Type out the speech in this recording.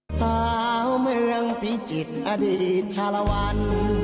สาวเมืองพิจิตรอดีตชาลวัน